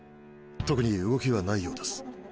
特に動きはないようです。